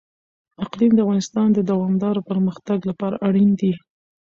اقلیم د افغانستان د دوامداره پرمختګ لپاره اړین دي.